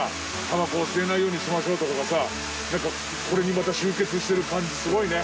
タバコを吸えないようにしましょうとかがさなんかこれにまた集結してる感じすごいね。